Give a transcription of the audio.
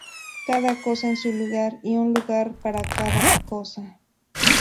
Cada cosa en su lugar y un lugar para cada cosa